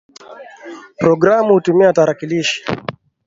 Programa hutumia tarakilishi.